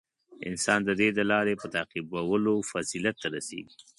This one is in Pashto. • انسان د دې د لارې په تعقیبولو فضیلت ته رسېږي.